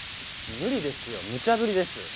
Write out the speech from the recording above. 無理ですよむちゃぶりです。